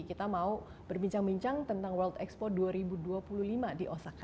kita mau berbincang bincang tentang world expo dua ribu dua puluh lima di osaka